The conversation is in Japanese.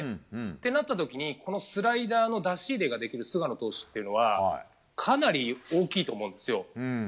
となった時に、スライダーの出し入れができる菅野投手はかなり大きいと思うんですよ。